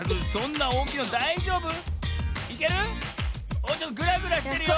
おちょっとグラグラしてるよ。